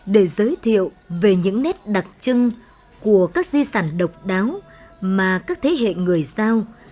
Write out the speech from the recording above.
để giới thiệu về những nét đặc trưng của các di sản độc đáo mà các thế hệ người giao